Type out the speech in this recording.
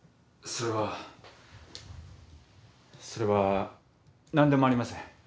それはそれは何でもありません。